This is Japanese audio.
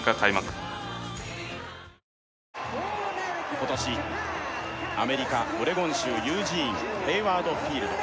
今年アメリカオレゴン州ユージーンヘイワード・フィールド